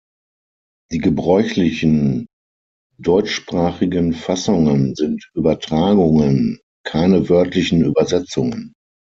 Die gebräuchlichen deutschsprachigen Fassungen sind Übertragungen, keine wörtlichen Übersetzungen.